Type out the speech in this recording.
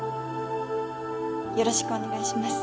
よろしくお願いします。